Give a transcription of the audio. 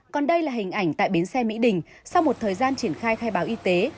còn đây là hình ảnh tại bến xe mỹ đình sau một thời gian triển khai khai báo y tế